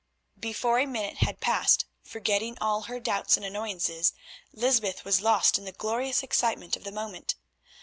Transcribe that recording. Before a minute had passed, forgetting all her doubts and annoyances, Lysbeth was lost in the glorious excitement of the moment.